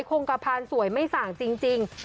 คงกระพานสวยไม่สั่งจริง